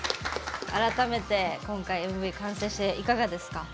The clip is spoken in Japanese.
改めて、今回ＭＶ完成していかがですか？